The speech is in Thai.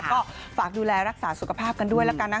ก็ฝากดูแลรักษาสุขภาพกันด้วยแล้วกันนะ